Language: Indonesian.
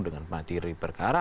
dengan materi perkara